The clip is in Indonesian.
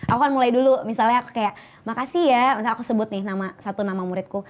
aku akan mulai dulu misalnya kayak makasih ya aku sebut nih satu nama muridku